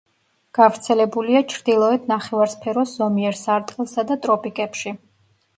გავრცელებულია ჩრდილოეთ ნახევარსფეროს ზომიერ სარტყელსა და ტროპიკებში.